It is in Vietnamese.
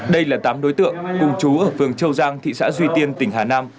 đây là tám đối tượng cùng chú ở phường châu giang thị xã duy tiên tỉnh hà nam